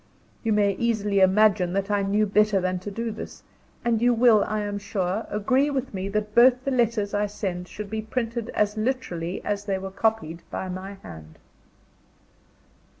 You may easily imagine that I knew better than to do this; and you will, I am sure, agree with me that both the letters I send should be printed as literally as they were copied by my hand.